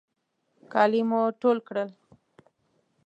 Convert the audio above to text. کالي مو ټول کړل.